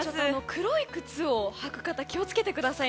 黒い靴を履く方は気を付けてください。